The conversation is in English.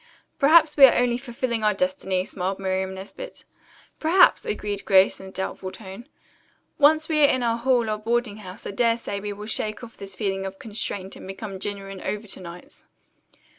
"Perhaps we are only fulfilling our destiny," smiled Miriam Nesbit. "Perhaps," agreed Grace in a doubtful tone. "Once we are in our hall or boarding house I dare say we will shake off this feeling of constraint and become genuine Overtonites."